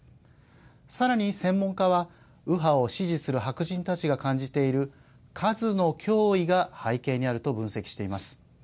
さらに、専門家は右派を支持する白人たちが感じている数の脅威が背景にあると分析しています。